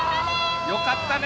よかったね。